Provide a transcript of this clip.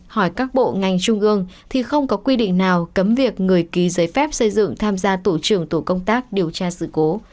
hỏi các bộ ngành trung ương thì không có quy định nào cấm việc người ký giấy phép xây dựng tham gia tổ trưởng tổ công tác điều tra sự cố